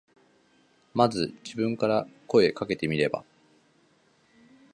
まず自分から声かけてみれば。